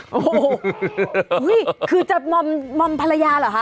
โอ้โหคือจะมอมภรรยาเหรอคะ